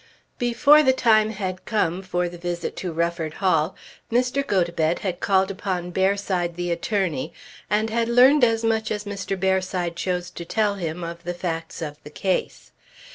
Before the time had come for the visit to Rufford Hall Mr. Gotobed had called upon Bearside the attorney and had learned as much as Mr. Bearside chose to tell him of the facts of the case.